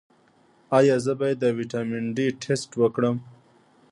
ایا زه باید د ویټامین ډي ټسټ وکړم؟